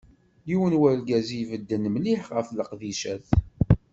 D yiwen n urgaz i ibedden mliḥ ɣef leqdicat.